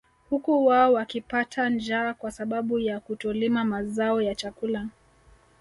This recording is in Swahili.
Huku wao wakipata njaa kwa sababu ya kutolima mazao ya chakula